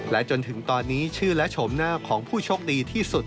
จนถึงตอนนี้ชื่อและโฉมหน้าของผู้โชคดีที่สุด